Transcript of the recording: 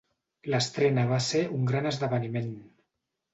L'estrena va ser un gran esdeveniment.